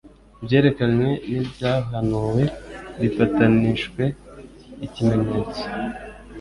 Ibyerekanywe n'ibyahanuwe bifatanishwe ikimenyetso,